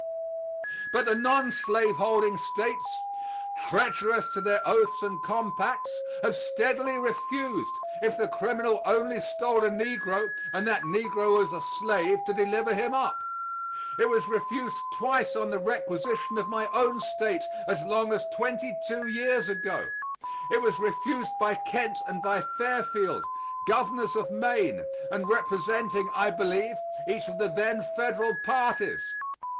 But the nonslaveholding States, treacherous to their oaths and compacts, have steadily refused, if the criminal only stole a negro and that negro was a slave, to deliver him up. It was refused twice on the requisition of my own State as long as twenty two years ago. It was refused by Kent and by Fairfield, governors of Maine, and representing, I believe, each of the then federal parties.